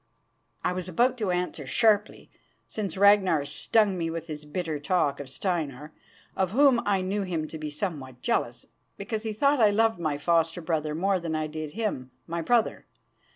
I was about to answer sharply, since Ragnar stung me with his bitter talk of Steinar, of whom I knew him to be somewhat jealous, because he thought I loved my foster brother more than I did him, my brother.